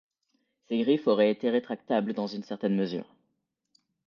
Ses griffes auraient été rétractables dans une certaine mesure.